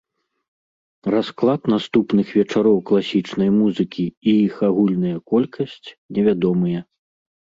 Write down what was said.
Расклад наступных вечароў класічнай музыкі і іх агульная колькасць невядомыя.